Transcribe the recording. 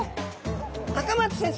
赤松先生